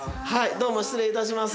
どうも失礼致します。